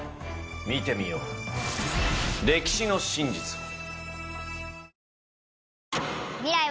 見てみよう歴史の真実を。